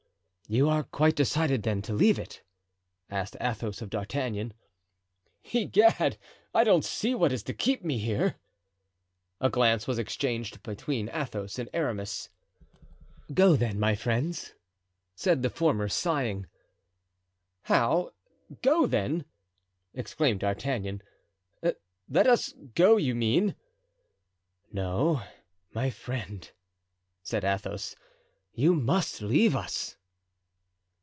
"You are quite decided, then, to leave it?" asked Athos of D'Artagnan. "Egad! I don't see what is to keep me here." A glance was exchanged between Athos and Aramis. "Go, then, my friends," said the former, sighing. "How, go then?" exclaimed D'Artagnan. "Let us go, you mean?" "No, my friend," said Athos, "you must leave us."